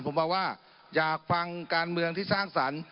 ผมบอกว่าอยากฟังการเมืองที่สร้างสรรค์